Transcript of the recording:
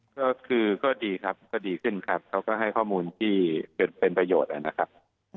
ก็คือก็ดีครับก็ดีขึ้นครับเขาก็ให้ข้อมูลที่เป็นประโยชน์นะครับ